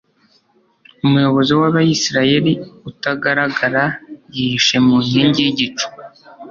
Umuyobozi w'abisirayeli utagaragara yihishe mu nkingi y'igicu